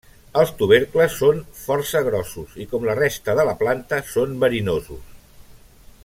Els tubercles són força grossos i com la resta de la planta són verinosos.